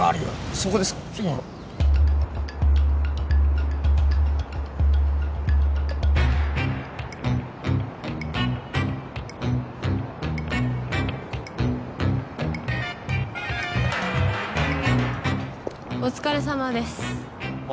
そうお疲れさまですあ